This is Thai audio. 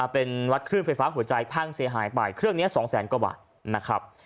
เป็นวัดเครื่องไฟฟ้าหัวใจภังเซฮายไปเครื่องนี้๒๐๐๐๐๐กว่าวัน